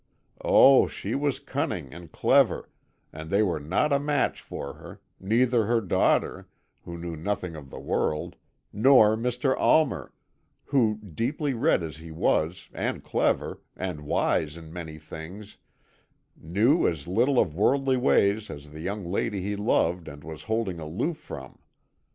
Oh, she was cunning and clever, and they were not a match for her, neither her daughter, who knew nothing of the world, nor Mr. Almer, who, deeply read as he was, and clever, and wise in many things, knew as little of worldly ways as the young lady he loved and was holding aloof from.